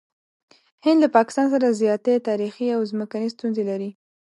هند له پاکستان سره زیاتې تاریخي او ځمکني ستونزې لري.